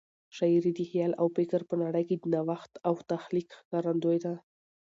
شاعري د خیال او فکر په نړۍ کې د نوښت او تخلیق ښکارندوی ده.